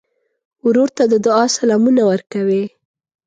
ورور ته د دعا سلامونه ورکوې.